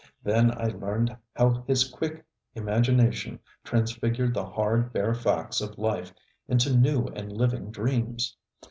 Then I learned how his quick imagination transfigured the hard, bare facts of life into new and living dreams.